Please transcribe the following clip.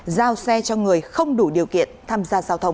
giao xe cho người không đủ điều kiện tham gia giao thông